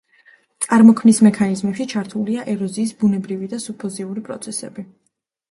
წარმოქმნის მექანიზმებში ჩართულია ეროზიის ბუნებრივი და სუფოზიური პროცესები.